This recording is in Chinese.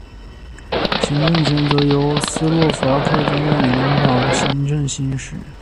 行政权则由斯洛伐克总理领导的政府行使。